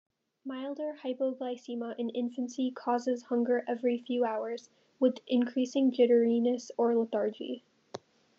Milder hypoglycemia in infancy causes hunger every few hours, with increasing jitteriness or lethargy.